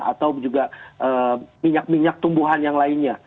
atau juga minyak minyak tumbuhan yang lainnya